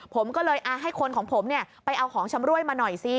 ผมก็เลยให้คนของผมไปเอาของชำรวยมาหน่อยสิ